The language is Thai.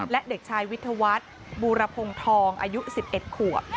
และเด็กชายวิทยาวัฒน์บูรพงทองอายุ๑๑ขวบ